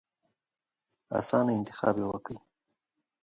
اسانه انتخاب به يې ورنيوه.